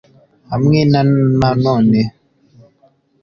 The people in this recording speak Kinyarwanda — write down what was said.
hamwe na none.